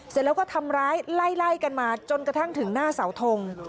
เสร็จแล้วก็ทำร้ายไล่กันมาจนกระทั่งถึงหน้าเสาทง